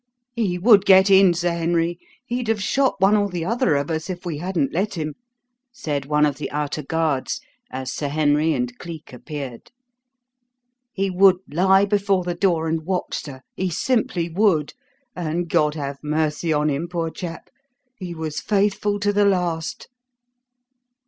"He would get in, Sir Henry, he'd have shot one or the other of us if we hadn't let him," said one of the outer guards as Sir Henry and Cleek appeared. "He would lie before the door and watch, sir he simply would; and God have mercy on him, poor chap; he was faithful to the last!"